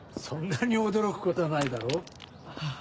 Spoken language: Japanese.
そんなに驚くことはないだろ。